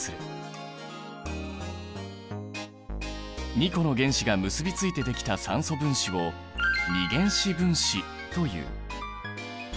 ２個の原子が結びついてできた酸素分子を二原子分子という。